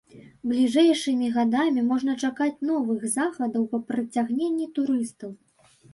Бліжэйшымі гадамі можна чакаць новых захадаў па прыцягненні турыстаў.